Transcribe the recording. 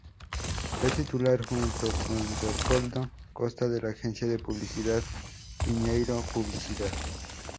Fue titular junto con Leopoldo Costa de la agencia de publicidad: Piñeiro Publicidad.